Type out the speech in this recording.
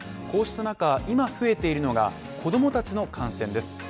こうした中、今増えているのが子供たちの感染です。